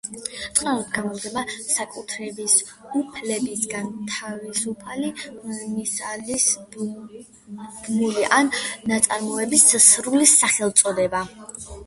წყაროდ გამოდგება საკუთრების უფლებისგან თავისუფალი მასალის ბმული ან ნაწარმოების სრული სახელწოდება.